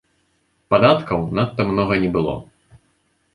Падаткаў надта многа не было.